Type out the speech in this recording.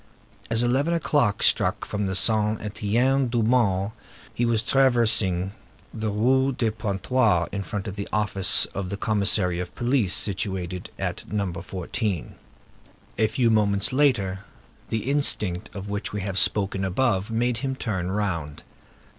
As eleven o'clock struck from Saint Étienne du Mont, he was traversing the Rue de Pontoise, in front of the office of the commissary of police, situated at No. 14. A few moments later, the instinct of which we have spoken above made him turn round.